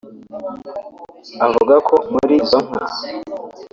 Avuga ko muri izo nka